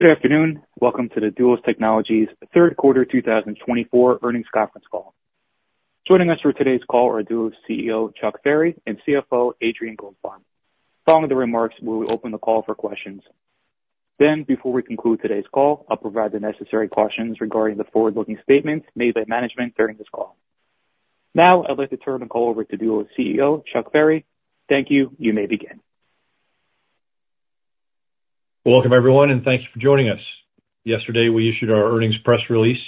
Good afternoon. Welcome to the Duos Technologies third quarter 2024 earnings conference call. Joining us for today's call are Duos CEO Chuck Ferry and CFO Adrian Goldfarb. Following the remarks, we will open the call for questions. Then, before we conclude today's call, I'll provide the necessary cautions regarding the forward-looking statements made by management during this call. Now, I'd like to turn the call over to Duos CEO Chuck Ferry. Thank you. You may begin. Welcome, everyone, and thank you for joining us. Yesterday, we issued our earnings press release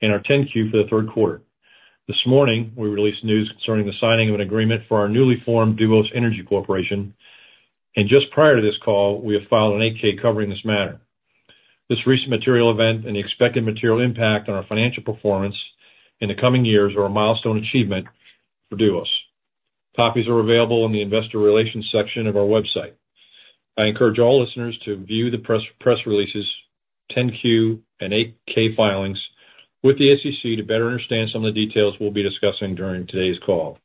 and our 10-Q for the third quarter. This morning, we released news concerning the signing of an agreement for our newly formed Duos Energy Corporation, and just prior to this call, we have filed an 8-K covering this matter. This recent material event and the expected material impact on our financial performance in the coming years are a milestone achievement for Duos. Copies are available in the investor relations section of our website. I encourage all listeners to view the press releases, 10-Q, and 8-K filings with the SEC to better understand some of the details we'll be discussing during today's call.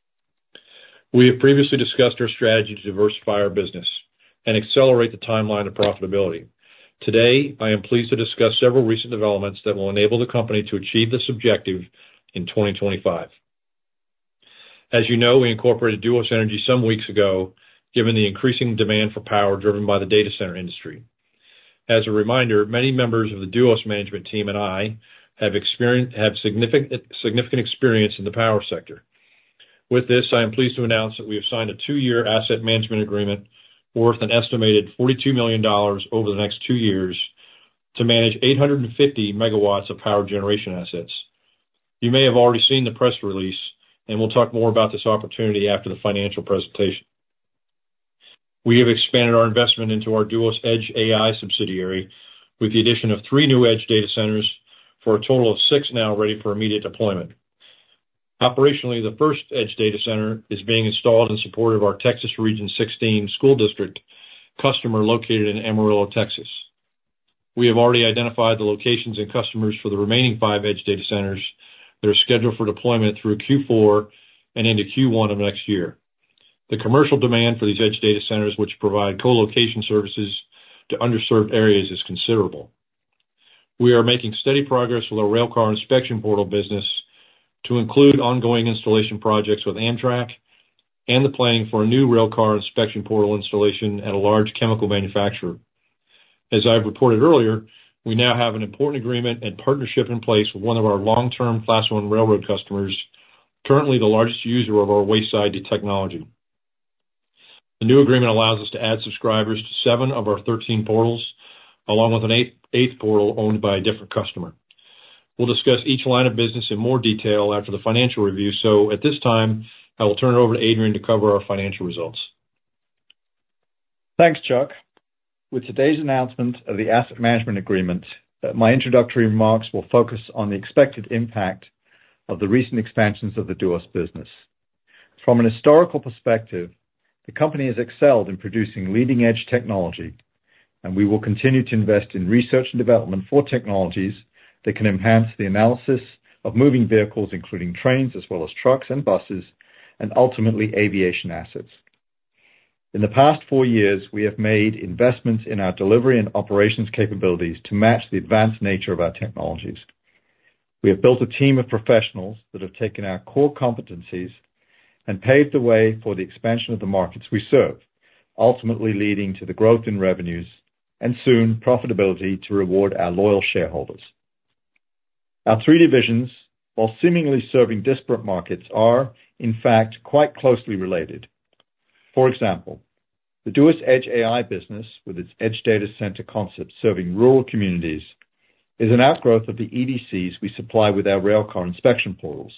We have previously discussed our strategy to diversify our business and accelerate the timeline of profitability. Today, I am pleased to discuss several recent developments that will enable the company to achieve this objective in 2025. As you know, we incorporated Duos Energy some weeks ago, given the increasing demand for power driven by the data center industry. As a reminder, many members of the Duos management team and I have significant experience in the power sector. With this, I am pleased to announce that we have signed a two-year asset management agreement worth an estimated $42 million over the next two years to manage 850 MW of power generation assets. You may have already seen the press release, and we'll talk more about this opportunity after the financial presentation. We have expanded our investment into our Duos Edge AI subsidiary with the addition of three new edge data centers for a total of six now ready for immediate deployment. Operationally, the first edge data center is being installed in support of our Texas Region 16 school district customer located in Amarillo, Texas. We have already identified the locations and customers for the remaining five edge data centers that are scheduled for deployment through Q4 and into Q1 of next year. The commercial demand for these edge data centers, which provide colocation services to underserved areas, is considerable. We are making steady progress with our railcar inspection portal business to include ongoing installation projects with Amtrak and the planning for a new railcar inspection portal installation at a large chemical manufacturer. As I've reported earlier, we now have an important agreement and partnership in place with one of our long-term Class I railroad customers, currently the largest user of our wayside technology. The new agreement allows us to add subscribers to seven of our 13 portals, along with an eighth portal owned by a different customer. We'll discuss each line of business in more detail after the financial review. So at this time, I will turn it over to Adrian to cover our financial results. Thanks, Chuck. With today's announcement of the asset management agreement, my introductory remarks will focus on the expected impact of the recent expansions of the Duos business. From a historical perspective, the company has excelled in producing leading-edge technology, and we will continue to invest in research and development for technologies that can enhance the analysis of moving vehicles, including trains, as well as trucks and buses, and ultimately aviation assets. In the past four years, we have made investments in our delivery and operations capabilities to match the advanced nature of our technologies. We have built a team of professionals that have taken our core competencies and paved the way for the expansion of the markets we serve, ultimately leading to the growth in revenues and soon profitability to reward our loyal shareholders. Our three divisions, while seemingly serving disparate markets, are, in fact, quite closely related. For example, the Duos Edge AI business, with its edge data center concept serving rural communities, is an outgrowth of the EDCs we supply with our railcar inspection portals,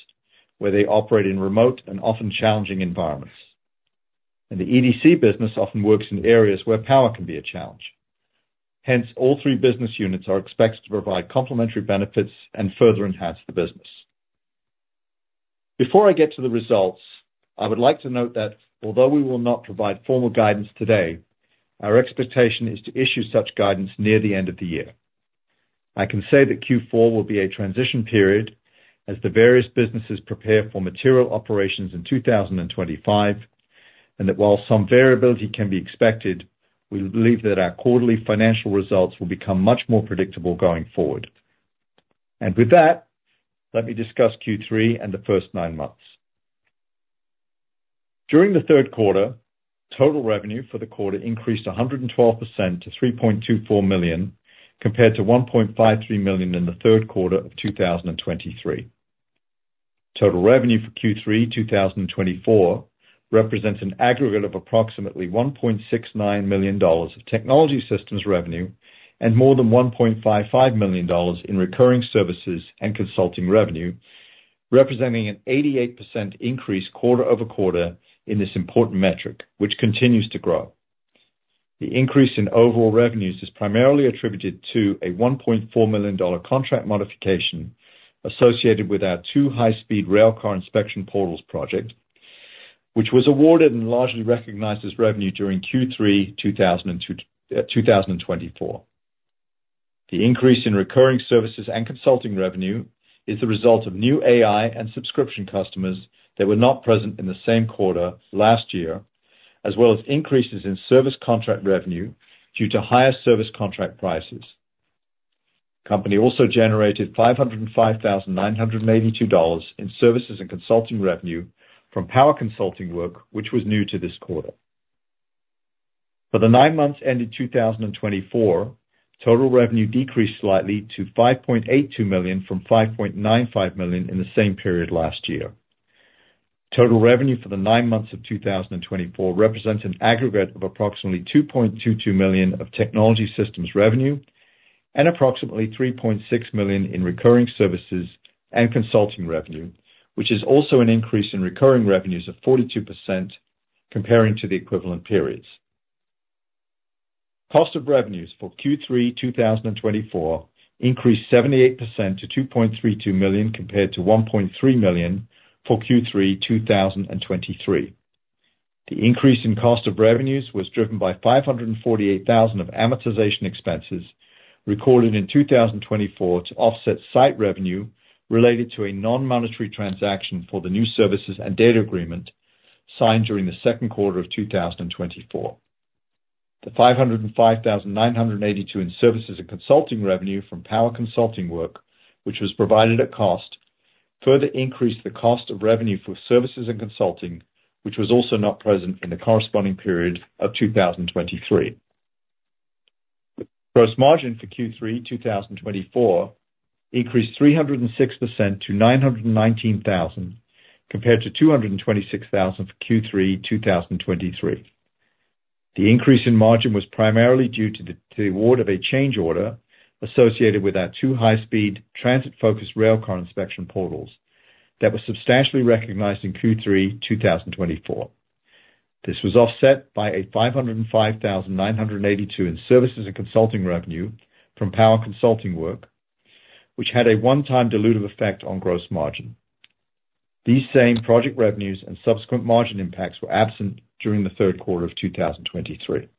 where they operate in remote and often challenging environments, and the EDC business often works in areas where power can be a challenge. Hence, all three business units are expected to provide complementary benefits and further enhance the business. Before I get to the results, I would like to note that although we will not provide formal guidance today, our expectation is to issue such guidance near the end of the year. I can say that Q4 will be a transition period as the various businesses prepare for material operations in 2025, and that while some variability can be expected, we believe that our quarterly financial results will become much more predictable going forward. With that, let me discuss Q3 and the first nine months. During the third quarter, total revenue for the quarter increased 112% to $3.24 million, compared to $1.53 million in the third quarter of 2023. Total revenue for Q3 2024 represents an aggregate of approximately $1.69 million of technology systems revenue and more than $1.55 million in recurring services and consulting revenue, representing an 88% increase quarter-over-quarter in this important metric, which continues to grow. The increase in overall revenues is primarily attributed to a $1.4 million contract modification associated with our two high-speed railcar inspection portals project, which was awarded and largely recognized as revenue during Q3 2024. The increase in recurring services and consulting revenue is the result of new AI and subscription customers that were not present in the same quarter last year, as well as increases in service contract revenue due to higher service contract prices. The company also generated $505,982 in services and consulting revenue from power consulting work, which was new to this quarter. For the nine months ended 2024, total revenue decreased slightly to $5.82 million from $5.95 million in the same period last year. Total revenue for the nine months of 2024 represents an aggregate of approximately $2.22 million of technology systems revenue and approximately $3.6 million in recurring services and consulting revenue, which is also an increase in recurring revenues of 42% comparing to the equivalent periods. Cost of revenues for Q3 2024 increased 78% to $2.32 million compared to $1.3 million for Q3 2023. The increase in cost of revenues was driven by $548,000 of amortization expenses recorded in 2024 to offset site revenue related to a non-monetary transaction for the new services and data agreement signed during the second quarter of 2024. The $505,982 in services and consulting revenue from power consulting work, which was provided at cost, further increased the cost of revenue for services and consulting, which was also not present in the corresponding period of 2023. Gross margin for Q3 2024 increased 306% to $919,000 compared to $226,000 for Q3 2023. The increase in margin was primarily due to the award of a change order associated with our two high-speed transit-focused railcar inspection portals that were substantially recognized in Q3 2024. This was offset by a $505,982 in services and consulting revenue from power consulting work, which had a one-time dilutive effect on gross margin. These same project revenues and subsequent margin impacts were absent during the third quarter of 2023.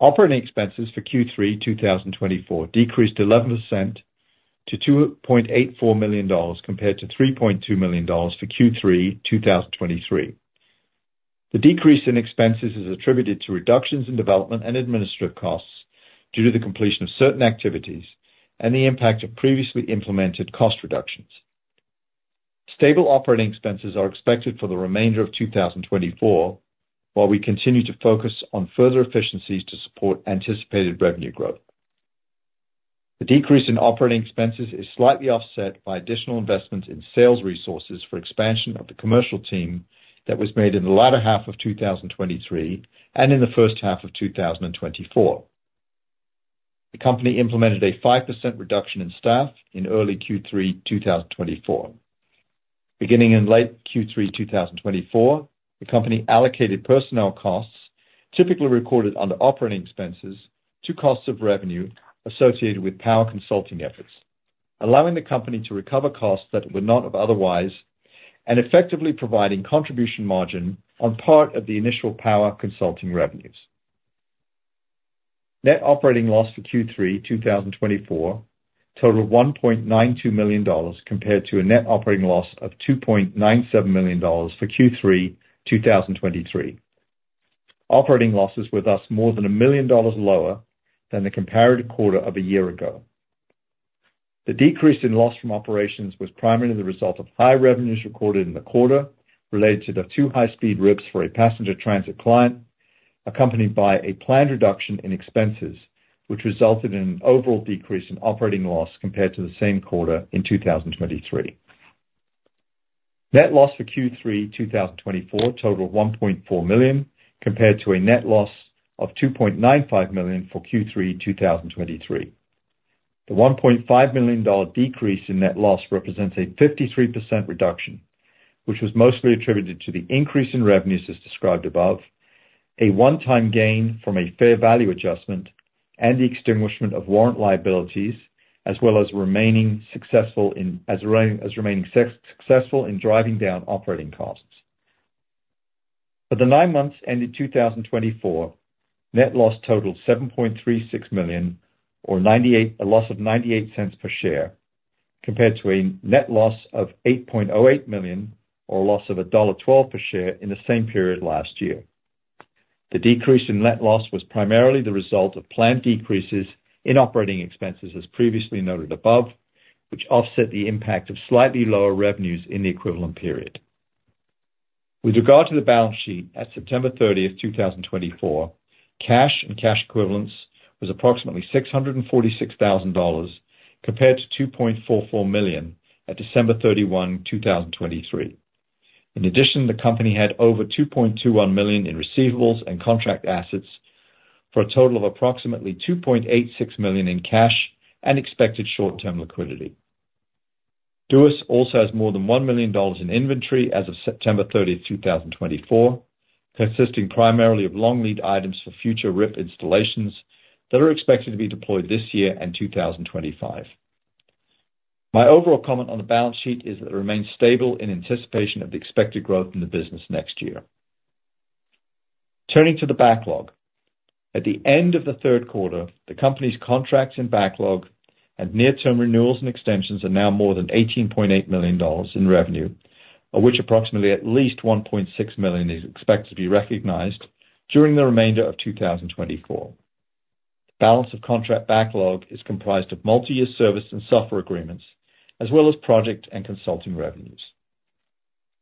Operating expenses for Q3 2024 decreased 11% to $2.84 million compared to $3.2 million for Q3 2023. The decrease in expenses is attributed to reductions in development and administrative costs due to the completion of certain activities and the impact of previously implemented cost reductions. Stable operating expenses are expected for the remainder of 2024 while we continue to focus on further efficiencies to support anticipated revenue growth. The decrease in operating expenses is slightly offset by additional investments in sales resources for expansion of the commercial team that was made in the latter half of 2023 and in the first half of 2024. The company implemented a 5% reduction in staff in early Q3 2024. Beginning in late Q3 2024, the company allocated personnel costs typically recorded under operating expenses to costs of revenue associated with power consulting efforts, allowing the company to recover costs that it would not have otherwise and effectively providing contribution margin on part of the initial power consulting revenues. Net operating loss for Q3 2024 totaled $1.92 million compared to a net operating loss of $2.97 million for Q3 2023. Operating losses were thus more than a million dollars lower than the comparative quarter of a year ago. The decrease in loss from operations was primarily the result of high revenues recorded in the quarter related to the two high-speed RIPs for a passenger transit client, accompanied by a planned reduction in expenses, which resulted in an overall decrease in operating loss compared to the same quarter in 2023. Net loss for Q3 2024 totaled $1.4 million compared to a net loss of $2.95 million for Q3 2023. The $1.5 million decrease in net loss represents a 53% reduction, which was mostly attributed to the increase in revenues as described above, a one-time gain from a fair value adjustment, and the extinguishment of warrant liabilities, as well as remaining successful in driving down operating costs. For the nine months ended 2024, net loss totaled $7.36 million, or a loss of $0.98 per share, compared to a net loss of $8.08 million, or a loss of $1.12 per share in the same period last year. The decrease in net loss was primarily the result of planned decreases in operating expenses, as previously noted above, which offset the impact of slightly lower revenues in the equivalent period. With regard to the balance sheet at September 30, 2024, cash and cash equivalents was approximately $646,000 compared to $2.44 million at December 31, 2023. In addition, the company had over $2.21 million in receivables and contract assets for a total of approximately $2.86 million in cash and expected short-term liquidity. Duos also has more than $1 million in inventory as of September 30, 2024, consisting primarily of long-lead items for future RIP installations that are expected to be deployed this year and 2025. My overall comment on the balance sheet is that it remains stable in anticipation of the expected growth in the business next year. Turning to the backlog, at the end of the third quarter, the company's contracts in backlog and near-term renewals and extensions are now more than $18.8 million in revenue, of which approximately at least $1.6 million is expected to be recognized during the remainder of 2024. The balance of contract backlog is comprised of multi-year service and software agreements, as well as project and consulting revenues.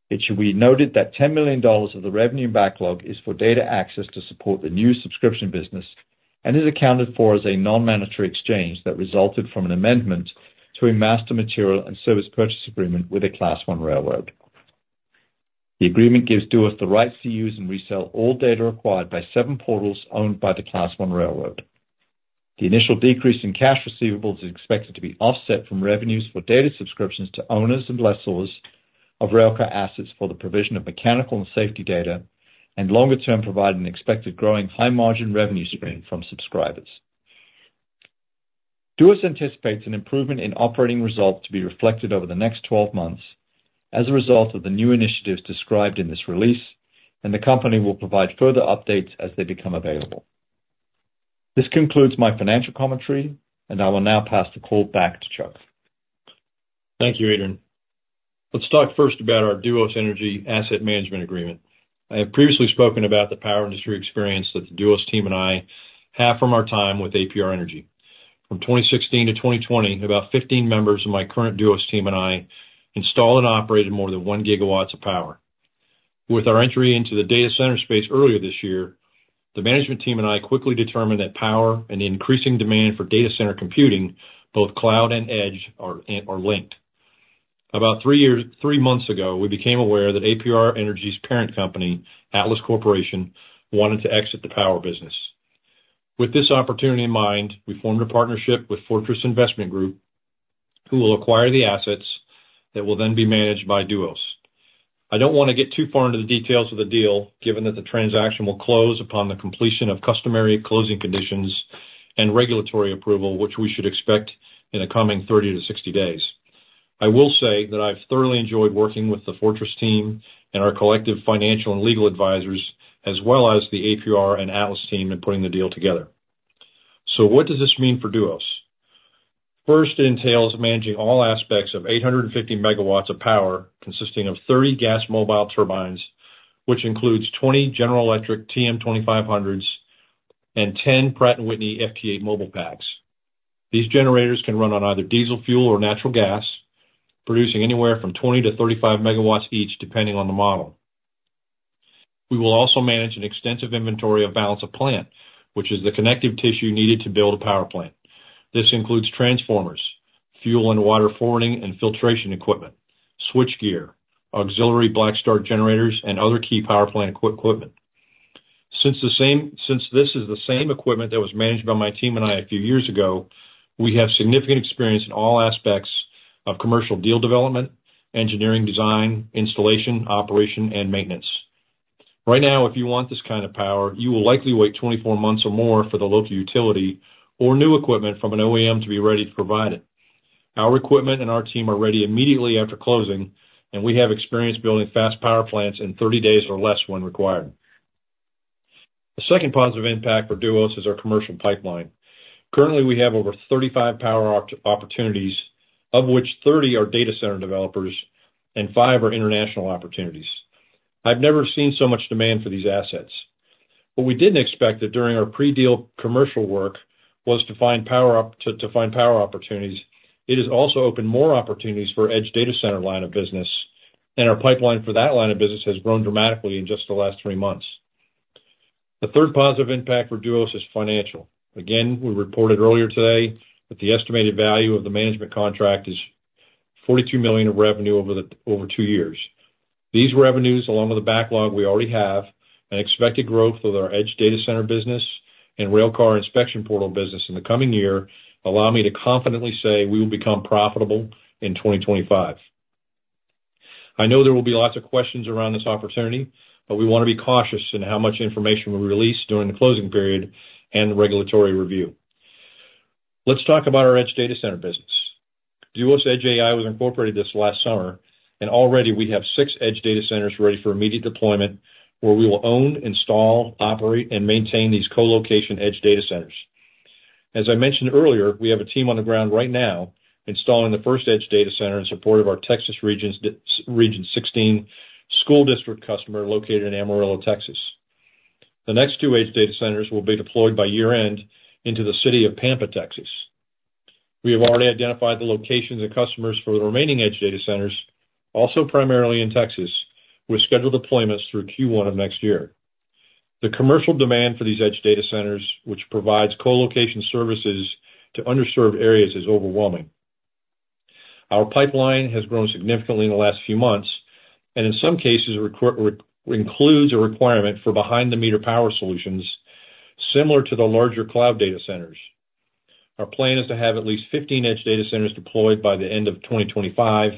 It should be noted that $10 million of the revenue in backlog is for data access to support the new subscription business and is accounted for as a non-monetary exchange that resulted from an amendment to a master material and service purchase agreement with a Class I railroad. The agreement gives Duos the right to use and resell all data required by seven portals owned by the Class I railroad. The initial decrease in cash receivables is expected to be offset from revenues for data subscriptions to owners and lessors of railcar assets for the provision of mechanical and safety data, and longer-term providing the expected growing high-margin revenue stream from subscribers. Duos anticipates an improvement in operating results to be reflected over the next 12 months as a result of the new initiatives described in this release, and the company will provide further updates as they become available. This concludes my financial commentary, and I will now pass the call back to Chuck. Thank you, Adrian. Let's talk first about our Duos Energy asset management agreement. I have previously spoken about the power industry experience that the Duos team and I have from our time with APR Energy. From 2016 to 2020, about 15 members of my current Duos team and I installed and operated more than one gigawatt of power. With our entry into the data center space earlier this year, the management team and I quickly determined that power and the increasing demand for data center computing, both cloud and edge, are linked. About three months ago, we became aware that APR Energy's parent company, Atlas Corporation, wanted to exit the power business. With this opportunity in mind, we formed a partnership with Fortress Investment Group, who will acquire the assets that will then be managed by Duos. I don't want to get too far into the details of the deal, given that the transaction will close upon the completion of customary closing conditions and regulatory approval, which we should expect in the coming 30-60 days. I will say that I've thoroughly enjoyed working with the Fortress team and our collective financial and legal advisors, as well as the APR and Atlas team in putting the deal together. So what does this mean for Duos? First, it entails managing all aspects of 850 MW of power consisting of 30 gas mobile turbines, which includes 20 General Electric TM2500s and 10 Pratt & Whitney FT8 MobilePACs. These generators can run on either diesel fuel or natural gas, producing anywere from 20 MW-35 MW each, depending on the model. We will also manage an extensive inventory of balance of plant, which is the connective tissue needed to build a power plant. This includes transformers, fuel and water forwarding and filtration equipment, switchgear, auxiliary black start generators, and other key power plant equipment. Since this is the same equipment that was managed by my team and I a few years ago, we have significant experience in all aspects of commercial deal development, engineering design, installation, operation, and maintenance. Right now, if you want this kind of power, you will likely wait 24 months or more for the local utility or new equipment from an OEM to be ready to provide it. Our equipment and our team are ready immediately after closing, and we have experience building fast power plants in 30 days or less when required. The second positive impact for Duos is our commercial pipeline. Currently, we have over 35 power opportunities, of which 30 are data center developers and five are international opportunities. I've never seen so much demand for these assets. What we didn't expect during our pre-deal commercial work was to find power opportunities. It has also opened more opportunities for edge data center line of business, and our pipeline for that line of business has grown dramatically in just the last three months. The third positive impact for Duos is financial. Again, we reported earlier today that the estimated value of the management contract is $42 million of revenue over two years. These revenues, along with the backlog we already have and expected growth of our edge data center business and railcar inspection portal business in the coming year, allow me to confidently say we will become profitable in 2025. I know there will be lots of questions around this opportunity, but we want to be cautious in how much information we release during the closing period and the regulatory review. Let's talk about our edge data center business. Duos Edge AI was incorporated this last summer, and already we have six edge data centers ready for immediate deployment where we will own, install, operate, and maintain these colocation edge data centers. As I mentioned earlier, we have a team on the ground right now installing the first edge data center in support of our Texas Region 16 school district customer located in Amarillo, Texas. The next two edge data centers will be deployed by year-end into the city of Pampa, Texas. We have already identified the locations and customers for the remaining edge data centers, also primarily in Texas, with scheduled deployments through Q1 of next year. The commercial demand for these edge data centers, which provides colocation services to underserved areas, is overwhelming. Our pipeline has grown significantly in the last few months and, in some cases, includes a requirement for behind-the-meter power solutions similar to the larger cloud data centers. Our plan is to have at least 15 edge data centers deployed by the end of 2025,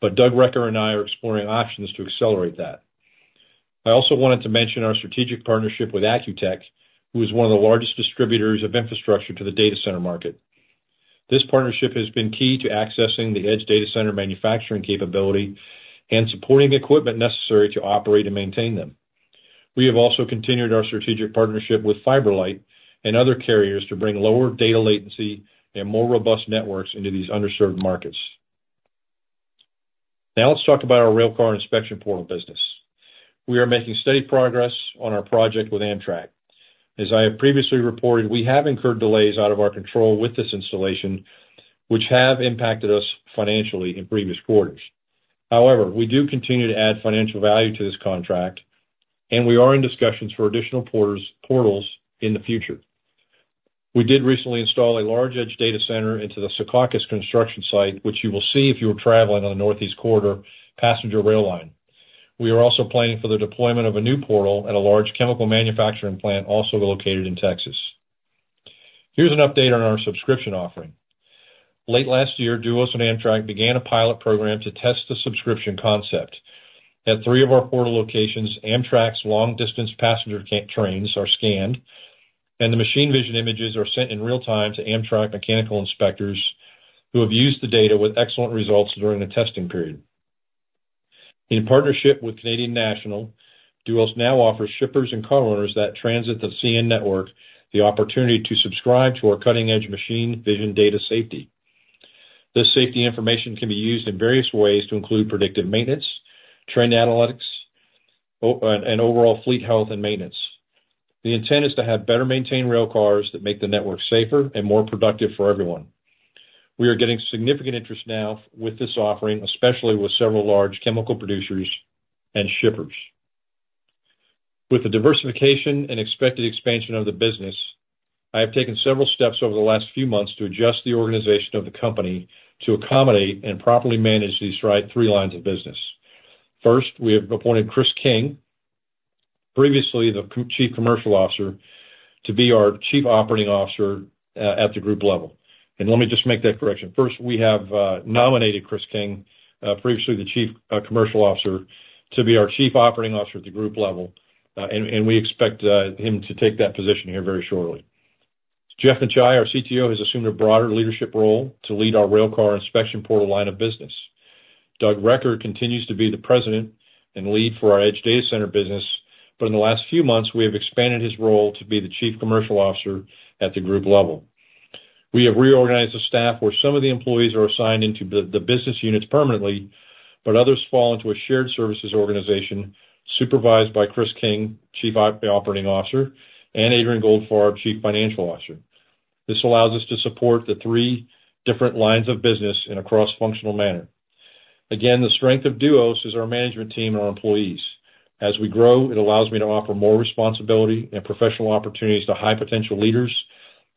but Doug Recker and I are exploring options to accelerate that. I also wanted to mention our strategic partnership with Accu-Tech, who is one of the largest distributors of infrastructure to the data center market. This partnership has been key to accessing the edge data center manufacturing capability and supporting equipment necessary to operate and maintain them. We have also continued our strategic partnership with FiberLight and other carriers to bring lower data latency and more robust networks into these underserved markets. Now let's talk about our railcar inspection portal business. We are making steady progress on our project with Amtrak. As I have previously reported, we have incurred delays out of our control with this installation, which have impacted us financially in previous quarters. However, we do continue to add financial value to this contract, and we are in discussions for additional portals in the future. We did recently install a large edge data center into the Secaucus construction site, which you will see if you were traveling on the Northeast Corridor passenger rail line. We are also planning for the deployment of a new portal at a large chemical manufacturing plant also located in Texas. Here's an update on our subscription offering. Late last year, Duos and Amtrak began a pilot program to test the subscription concept. At three of our portal locations, Amtrak's long-distance passenger trains are scanned, and the machine vision images are sent in real time to Amtrak mechanical inspectors who have used the data with excellent results during the testing period. In partnership with Canadian National, Duos now offers shippers and car owners that transit the CN network the opportunity to subscribe to our cutting-edge machine vision data safety. This safety information can be used in various ways to include predictive maintenance, train analytics, and overall fleet health and maintenance. The intent is to have better-maintained railcars that make the network safer and more productive for everyone. We are getting significant interest now with this offering, especially with several large chemical producers and shippers. With the diversification and expected expansion of the business, I have taken several steps over the last few months to adjust the organization of the company to accommodate and properly manage these three lines of business. First, we have appointed Chris King, previously the Chief Commercial Officer, to be our Chief Operating Officer at the group level, and let me just make that correction. First, we have nominated Chris King, previously the Chief Commercial Officer, to be our Chief Operating Officer at the group level, and we expect him to take that position here very shortly. Jeff Necciai, our CTO, has assumed a broader leadership role to lead our Railcar Inspection Portal line of business. Doug Recker continues to be the President and lead for our edge data center business, but in the last few months, we have expanded his role to be the Chief Commercial Officer at the group level. We have reorganized the staff where some of the employees are assigned into the business units permanently, but others fall into a shared services organization supervised by Chris King, Chief Operating Officer, and Adrian Goldfarb, Chief Financial Officer. This allows us to support the three different lines of business in a cross-functional manner. Again, the strength of Duos is our management team and our employees. As we grow, it allows me to offer more responsibility and professional opportunities to high-potential leaders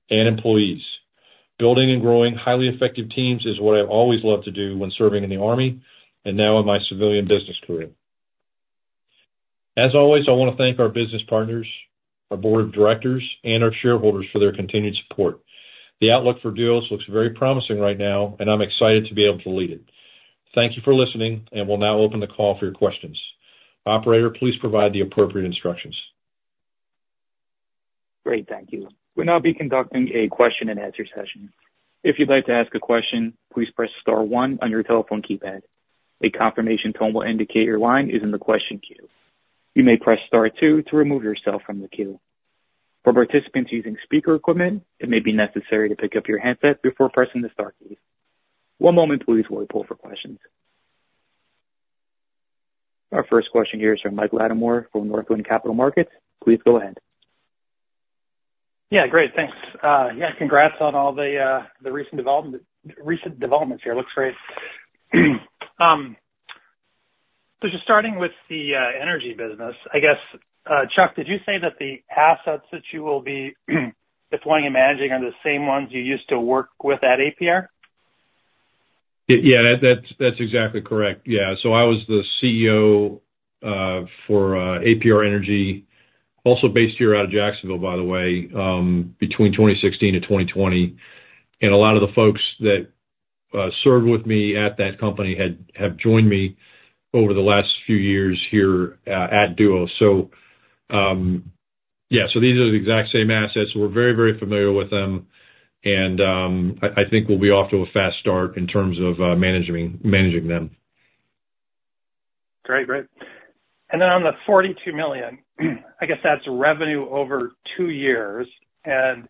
and employees. Building and growing highly effective teams is what I've always loved to do when serving in the army and now in my civilian business career. As always, I want to thank our business partners, our board of directors, and our shareholders for their continued support. The outlook for Duos looks very promising right now, and I'm excited to be able to lead it. Thank you for listening, and we'll now open the call for your questions. Operator, please provide the appropriate instructions. Great. Thank you. We'll now be conducting a question-and-answer session. If you'd like to ask a question, please press Star one on your telephone keypad. A confirmation tone will indicate your line is in the question queue. You may press Star two to remove yourself from the queue. For participants using speaker equipment, it may be necessary to pick up your handset before pressing the Star key. One moment, please, while we poll for questions. Our first question here is from Mike Latimore from Northland Capital Markets. Please go ahead. Yeah. Great. Thanks. Yeah. Congrats on all the recent developments here. Looks great. So just starting with the energy business, I guess, Chuck, did you say that the assets that you will be deploying and managing are the same ones you used to work with at APR? Yeah. That's exactly correct. Yeah. So I was the CEO for APR Energy, also based here out of Jacksonville, by the way, between 2016 and 2020. And a lot of the folks that served with me at that company have joined me over the last few years here at Duos. So yeah, so these are the exact same assets. We're very, very familiar with them, and I think we'll be off to a fast start in terms of managing them. Great. Great. And then on the $42 million, I guess that's revenue over two years. And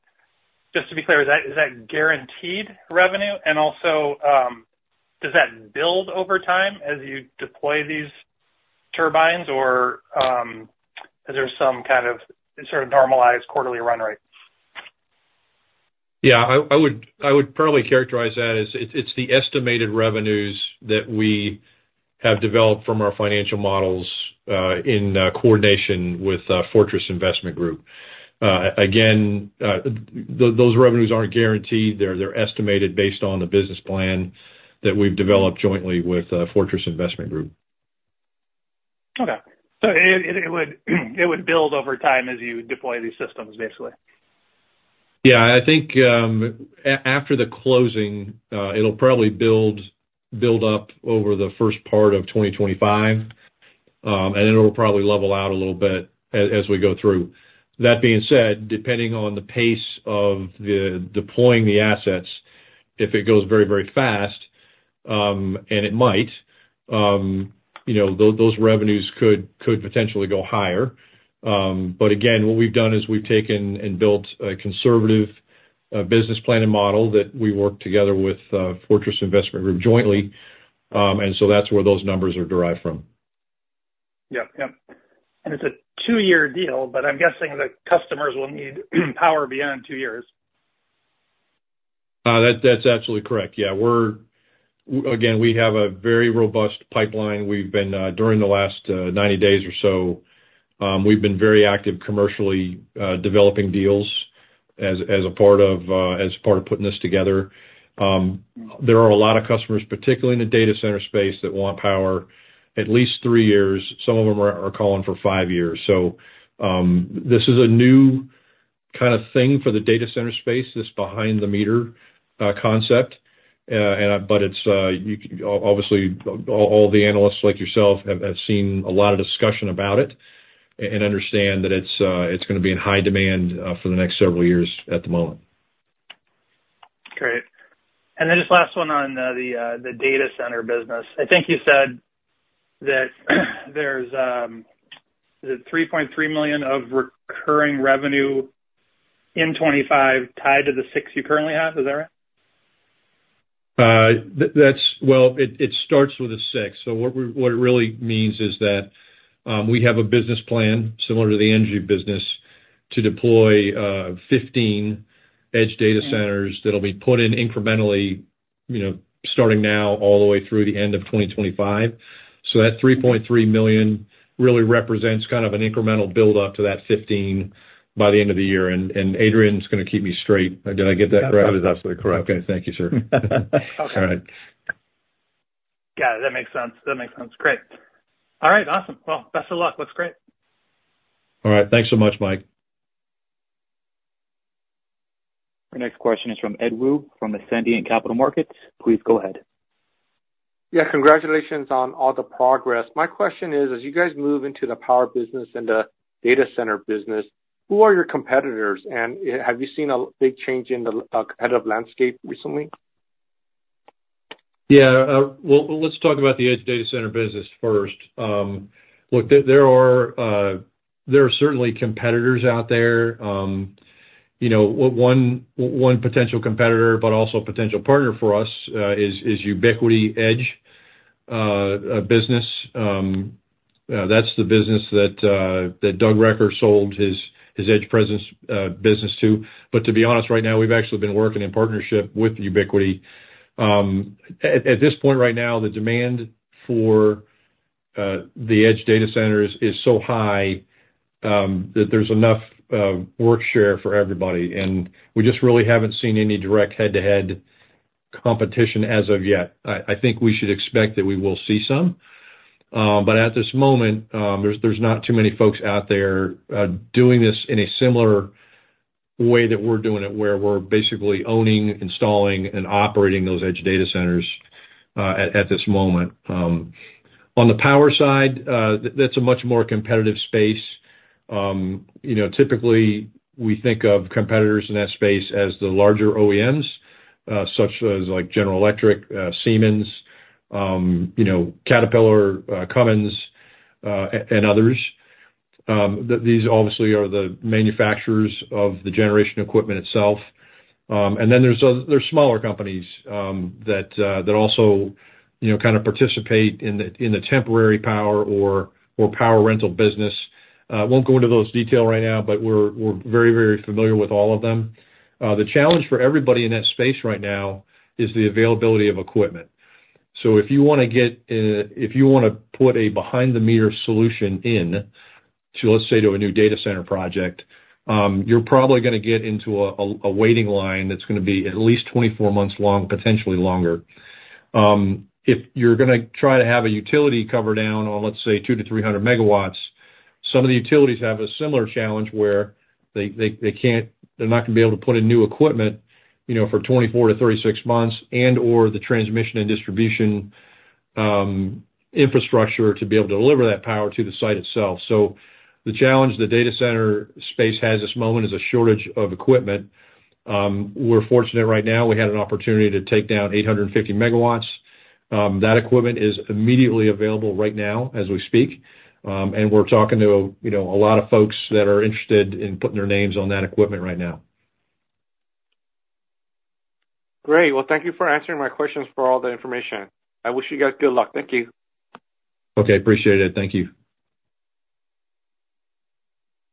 just to be clear, is that guaranteed revenue? And also, does that build over time as you deploy these turbines, or is there some kind of sort of normalized quarterly run rate? Yeah. I would probably characterize that as it's the estimated revenues that we have developed from our financial models in coordination with Fortress Investment Group. Again, those revenues aren't guaranteed. They're estimated based on the business plan that we've developed jointly with Fortress Investment Group. Okay. So it would build over time as you deploy these systems, basically? Yeah. I think after the closing, it'll probably build up over the first part of 2025, and then it'll probably level out a little bit as we go through. That being said, depending on the pace of deploying the assets, if it goes very, very fast, and it might, those revenues could potentially go higher. But again, what we've done is we've taken and built a conservative business plan and model that we work together with Fortress Investment Group jointly, and so that's where those numbers are derived from. Yep. Yep, and it's a two-year deal, but I'm guessing the customers will need power beyond two years. That's absolutely correct. Yeah. Again, we have a very robust pipeline. During the last 90 days or so, we've been very active commercially developing deals as a part of putting this together. There are a lot of customers, particularly in the data center space, that want power at least three years. Some of them are calling for five years. So this is a new kind of thing for the data center space, this behind-the-meter concept, but obviously, all the analysts like yourself have seen a lot of discussion about it and understand that it's going to be in high demand for the next several years at the moment. Great. And then just last one on the data center business. I think you said that there's $3.3 million of recurring revenue in 2025 tied to the six you currently have. Is that right? It starts with a six. What it really means is that we have a business plan similar to the energy business to deploy 15 edge data centers that'll be put in incrementally starting now all the way through the end of 2025. That $3.3 million really represents kind of an incremental build-up to that 15 by the end of the year. Adrian's going to keep me straight. Did I get that correct? That is absolutely correct. Okay. Thank you, sir. Okay. All right. Got it. That makes sense. That makes sense. Great. All right. Awesome. Well, best of luck. Looks great. All right. Thanks so much, Mike. Our next question is from Ed Woo from Ascendiant Capital Markets. Please go ahead. Yeah. Congratulations on all the progress. My question is, as you guys move into the power business and the data center business, who are your competitors? And have you seen a big change in the competitive landscape recently? Yeah. Well, let's talk about the edge data center business first. Look, there are certainly competitors out there. One potential competitor, but also a potential partner for us, is Ubiquiti Edge business. That's the business that Doug Recker sold his EdgePresence business to. But to be honest, right now, we've actually been working in partnership with Ubiquiti. At this point right now, the demand for the edge data centers is so high that there's enough work share for everybody, and we just really haven't seen any direct head-to-head competition as of yet. I think we should expect that we will see some. But at this moment, there's not too many folks out there doing this in a similar way that we're doing it, where we're basically owning, installing, and operating those edge data centers at this moment. On the power side, that's a much more competitive space. Typically, we think of competitors in that space as the larger OEMs, such as General Electric, Siemens, Caterpillar, Cummins, and others. These obviously are the manufacturers of the generation equipment itself. And then there's smaller companies that also kind of participate in the temporary power or power rental business. Won't go into those detail right now, but we're very, very familiar with all of them. The challenge for everybody in that space right now is the availability of equipment. So if you want to put a behind-the-meter solution into, let's say, a new data center project, you're probably going to get into a waiting line that's going to be at least 24 months long, potentially longer. If you're going to try to have a utility cover down on, let's say, 200 MW-300 MW, some of the utilities have a similar challenge where they're not going to be able to put in new equipment for 24-36 months and/or the transmission and distribution infrastructure to be able to deliver that power to the site itself, so the challenge the data center space has this moment is a shortage of equipment. We're fortunate right now. We had an opportunity to take down 850 MW. That equipment is immediately available right now as we speak, and we're talking to a lot of folks that are interested in putting their names on that equipment right now. Great. Well, thank you for answering my questions for all the information. I wish you guys good luck. Thank you. Okay. Appreciate it. Thank you.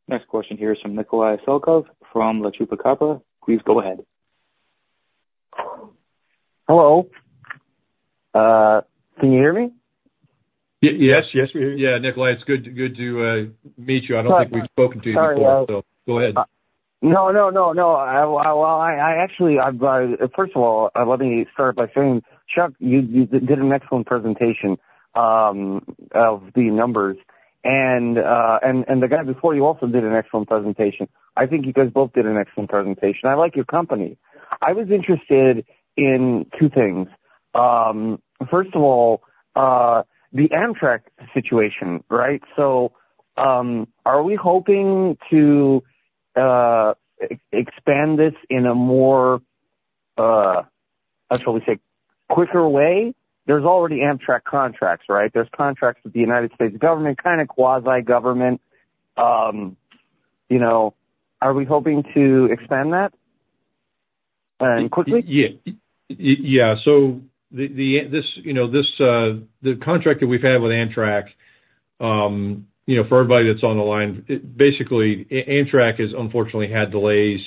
Next question here is from Nikolai Selkov from La Chupacabra. Please go ahead. Hello. Can you hear me? Yes. Yes. Yeah. Nikolai, it's good to meet you. I don't think we've spoken to you before, so go ahead. No, no, no, no. Well, actually, first of all, let me start by saying, Chuck, you did an excellent presentation of the numbers, and the guy before you also did an excellent presentation. I think you guys both did an excellent presentation. I like your company. I was interested in two things. First of all, the Amtrak situation, right, so are we hoping to expand this in a more, I should probably say, quicker way? There's already Amtrak contracts, right? There's contracts with the United States government, kind of quasi-government. Are we hoping to expand that quickly? Yeah. So the contract that we've had with Amtrak, for everybody that's on the line, basically, Amtrak has unfortunately had delays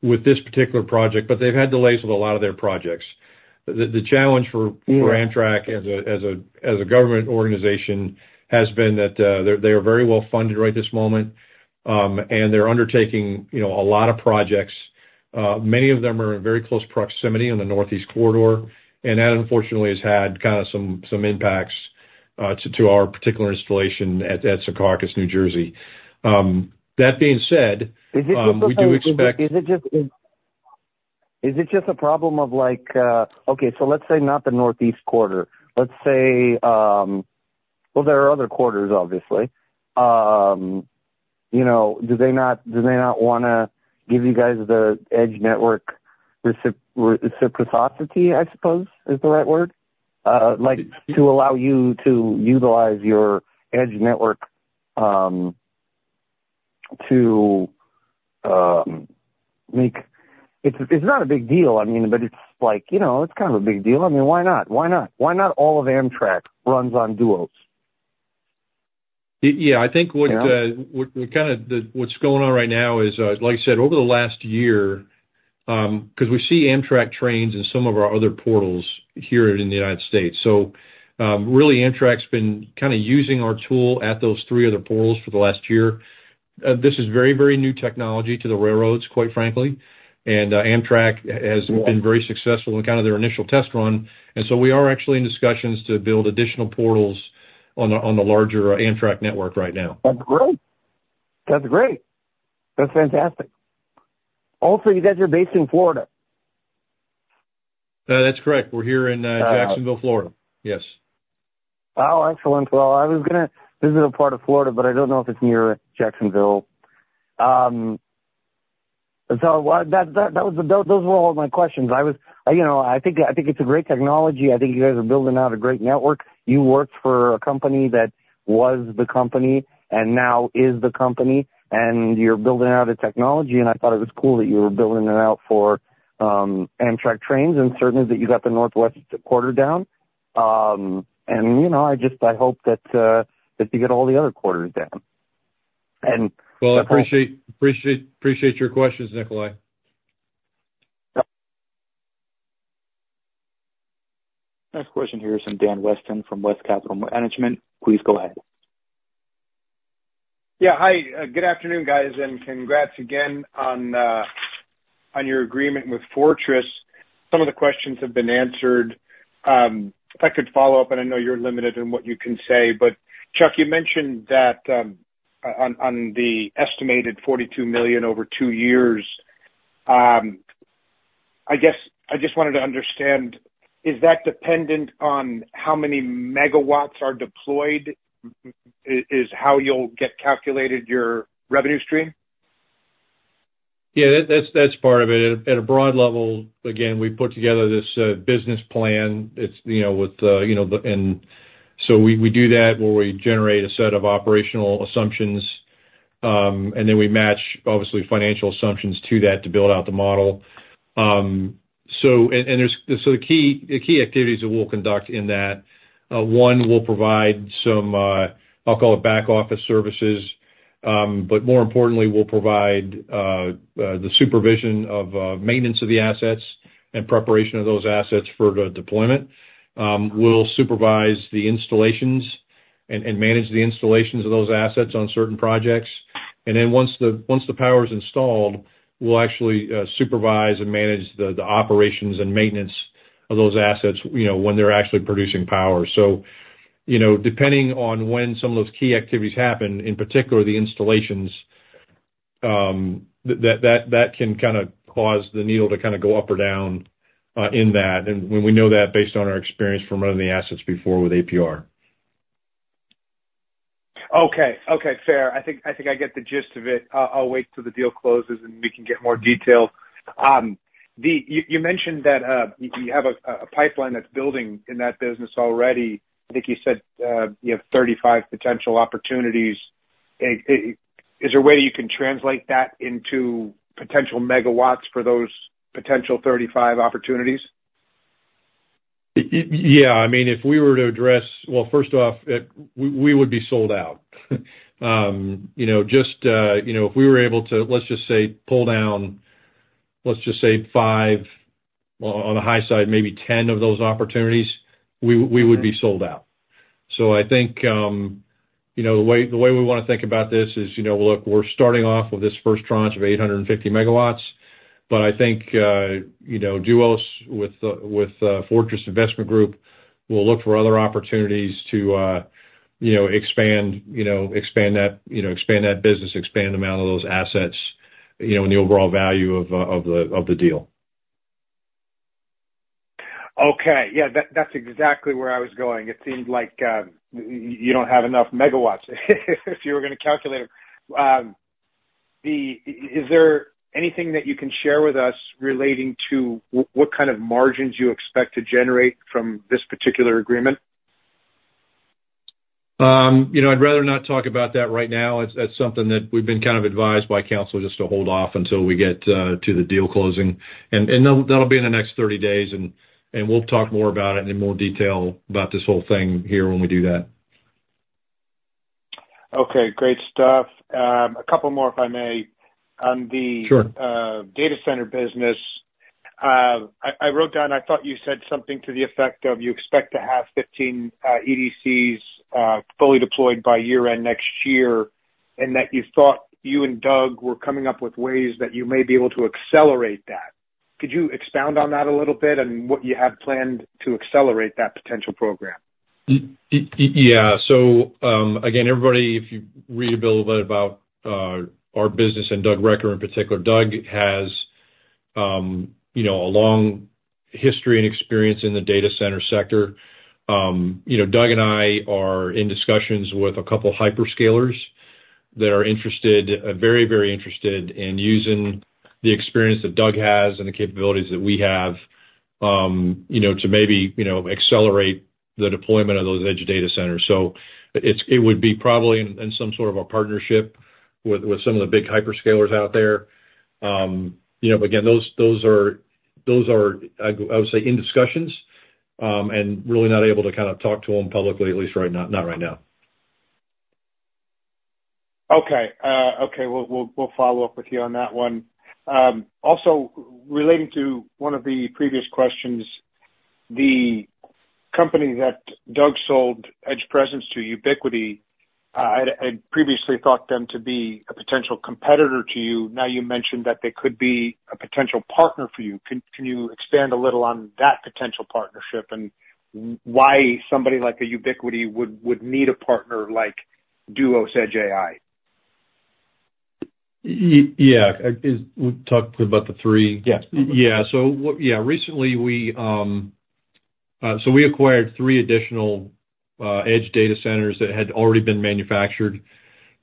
with this particular project, but they've had delays with a lot of their projects. The challenge for Amtrak as a government organization has been that they are very well funded right this moment, and they're undertaking a lot of projects. Many of them are in very close proximity on the Northeast Corridor, and that unfortunately has had kind of some impacts to our particular installation at Secaucus, New Jersey. That being said, we do expect. Is it just a problem of, okay, so let's say not the Northeast Corridor. Let's say, well, there are other corridors, obviously. Do they not want to give you guys the edge network reciprocity, I suppose, is the right word, to allow you to utilize your edge network to make it's not a big deal? I mean, but it's kind of a big deal. I mean, why not? Why not? Why not all of Amtrak runs on Duos? Yeah. I think what's going on right now is, like I said, over the last year, because we see Amtrak trains in some of our other portals here in the United States. So really, Amtrak's been kind of using our tool at those three other portals for the last year. This is very, very new technology to the railroads, quite frankly. And Amtrak has been very successful in kind of their initial test run. And so we are actually in discussions to build additional portals on the larger Amtrak network right now. That's great. That's great. That's fantastic. Also, you guys are based in Florida. That's correct. We're here in Jacksonville, Florida. Yes. Oh, excellent. Well, I was going to visit a part of Florida, but I don't know if it's near Jacksonville. So those were all my questions. I think it's a great technology. I think you guys are building out a great network. You worked for a company that was the company and now is the company, and you're building out a technology. And I thought it was cool that you were building it out for Amtrak trains and certainly that you got the Northeast Corridor down. And I hope that you get all the other corridors down. And. I appreciate your questions, Nikolai. Next question here is from Dan Weston from West Capital Management. Please go ahead. Yeah. Hi. Good afternoon, guys, and congrats again on your agreement with Fortress. Some of the questions have been answered. If I could follow up, and I know you're limited in what you can say, but Chuck, you mentioned that on the estimated $42 million over two years, I guess I just wanted to understand, is that dependent on how many megawatts are deployed is how you'll get calculated your revenue stream? Yeah. That's part of it. At a broad level, again, we put together this business plan with and so we do that where we generate a set of operational assumptions, and then we match, obviously, financial assumptions to that to build out the model. And so the key activities that we'll conduct in that, one, we'll provide some, I'll call it, back office services. But more importantly, we'll provide the supervision of maintenance of the assets and preparation of those assets for the deployment. We'll supervise the installations and manage the installations of those assets on certain projects. And then once the power is installed, we'll actually supervise and manage the operations and maintenance of those assets when they're actually producing power. Depending on when some of those key activities happen, in particular, the installations, that can kind of cause the needle to kind of go up or down in that, and we know that based on our experience from running the assets before with APR. Okay. Okay. Fair. I think I get the gist of it. I'll wait till the deal closes and we can get more detail. You mentioned that you have a pipeline that's building in that business already. I think you said you have 35 potential opportunities. Is there a way that you can translate that into potential megawatts for those potential 35 opportunities? Yeah. I mean, if we were to address well, first off, we would be sold out. Just if we were able to, let's just say, pull down, let's just say, five, on the high side, maybe 10 of those opportunities, we would be sold out. So I think the way we want to think about this is, look, we're starting off with this first tranche of 850 MW, but I think Duos with Fortress Investment Group will look for other opportunities to expand that business, expand the amount of those assets and the overall value of the deal. Okay. Yeah. That's exactly where I was going. It seems like you don't have enough megawatts if you were going to calculate them. Is there anything that you can share with us relating to what kind of margins you expect to generate from this particular agreement? I'd rather not talk about that right now. It's something that we've been kind of advised by counsel just to hold off until we get to the deal closing, and that'll be in the next 30 days, and we'll talk more about it in more detail about this whole thing here when we do that. Okay. Great stuff. A couple more, if I may. On the data center business, I wrote down I thought you said something to the effect of you expect to have 15 EDCs fully deployed by year-end next year and that you thought you and Doug were coming up with ways that you may be able to accelerate that. Could you expound on that a little bit and what you have planned to accelerate that potential program? Yeah. So again, everybody, if you read a little bit about our business and Doug Recker in particular, Doug has a long history and experience in the data center sector. Doug and I are in discussions with a couple of hyperscalers that are interested, very, very interested in using the experience that Doug has and the capabilities that we have to maybe accelerate the deployment of those edge data centers. So it would be probably in some sort of a partnership with some of the big hyperscalers out there. But again, those are, I would say, in discussions and really not able to kind of talk to them publicly, at least not right now. Okay. Okay. We'll follow up with you on that one. Also, relating to one of the previous questions, the company that Doug sold EdgePresence to, Ubiquiti, I previously thought them to be a potential competitor to you. Now you mentioned that they could be a potential partner for you. Can you expand a little on that potential partnership and why somebody like a Ubiquiti would need a partner like Duos Edge AI? Yeah. We talked about the three. Yeah. So yeah, recently, we acquired three additional edge data centers that had already been manufactured.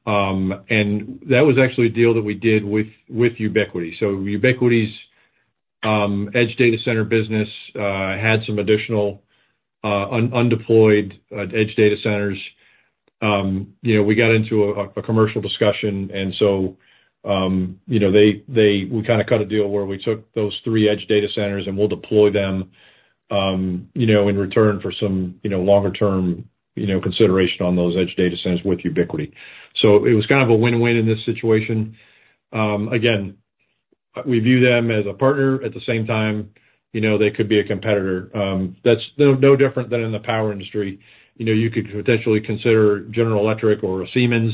And that was actually a deal that we did with Ubiquiti. So Ubiquiti's edge data center business had some additional undeployed edge data centers. We got into a commercial discussion, and so we kind of cut a deal where we took those three edge data centers and we'll deploy them in return for some longer-term consideration on those edge data centers with Ubiquiti. So it was kind of a win-win in this situation. Again, we view them as a partner. At the same time, they could be a competitor. That's no different than in the power industry. You could potentially consider General Electric or Siemens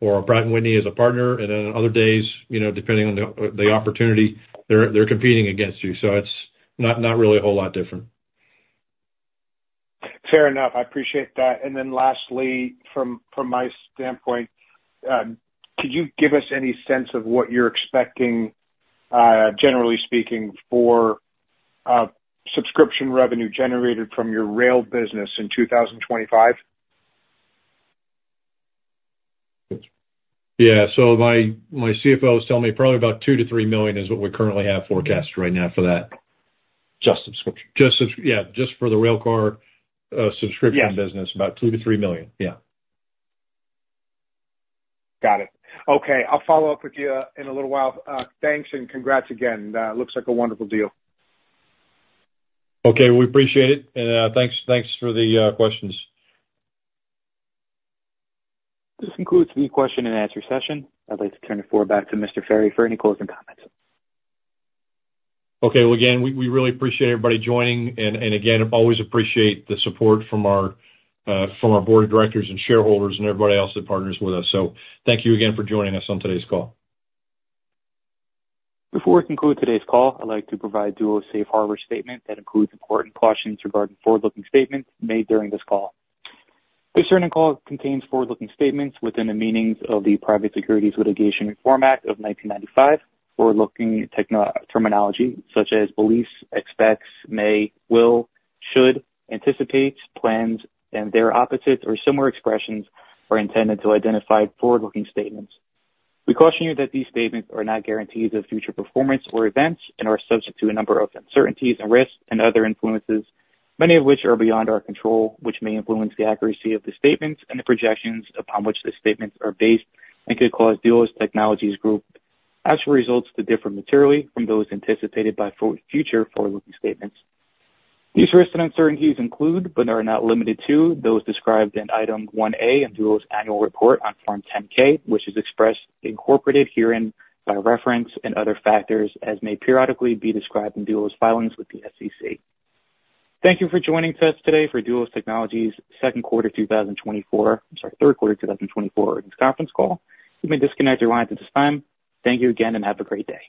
or Pratt and Whitney as a partner. And then on other days, depending on the opportunity, they're competing against you. So it's not really a whole lot different. Fair enough. I appreciate that. And then lastly, from my standpoint, could you give us any sense of what you're expecting, generally speaking, for subscription revenue generated from your rail business in 2025? Yeah. My CFO is telling me probably about $2 million-$3 million is what we currently have forecast right now for that. Just subscription? Yeah. Just for the railcar subscription business, about $2 million-$3 million. Yeah. Got it. Okay. I'll follow up with you in a little while. Thanks and congrats again. Looks like a wonderful deal. Okay. We appreciate it and thanks for the questions. This concludes the question and answer session. I'd like to turn it forward back to Mr. Ferry for any closing comments. Well, again, we really appreciate everybody joining. And again, always appreciate the support from our board of directors and shareholders and everybody else that partners with us. So thank you again for joining us on today's call. Before we conclude today's call, I'd like to provide Duos' Safe Harbor statement that includes important cautions regarding forward-looking statements made during this call. This call contains forward-looking statements within the meaning of the Private Securities Litigation Reform Act of 1995. Forward-looking terminology such as beliefs, expects, may, will, should, anticipates, plans, and their opposites or similar expressions are intended to identify forward-looking statements. We caution you that these statements are not guarantees of future performance or events and are subject to a number of uncertainties and risks and other influences, many of which are beyond our control, which may influence the accuracy of the statements and the projections upon which the statements are based and could cause Duos Technologies Group's actual results to differ materially from those anticipated by future forward-looking statements. These risks and uncertainties include, but are not limited to, those described in item 1A in Duos' annual report on Form 10-K, which is expressly incorporated herein by reference and other factors as may periodically be described in Duos' filings with the SEC. Thank you for joining us today for Duos Technologies' second quarter 2024, I'm sorry, third quarter 2024 earnings conference call. You may disconnect your lines at this time. Thank you again and have a great day.